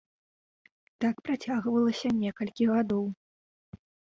Так працягвалася некалькі гадоў.